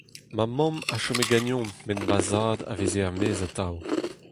Ma mamm a chome ganeomp met va zad a veze er-maez atav.